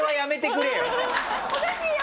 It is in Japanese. おかしいよ！